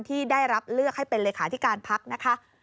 ที่ได้รับเลือกให้เป็นเลขาธิการพักนะคะ